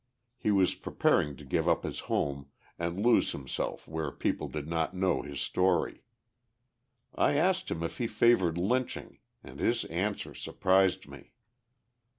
He was preparing to give up his home and lose himself where people did not know his story. I asked him if he favoured lynching, and his answer surprised me.